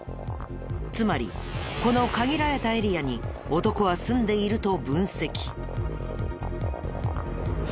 つまりこの限られたエリアに男は住んでいると分析。